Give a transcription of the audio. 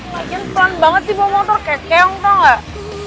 lagian pelan banget sih bawa motor kayak keong tau nggak